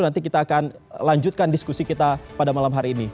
nanti kita akan lanjutkan diskusi kita pada malam hari ini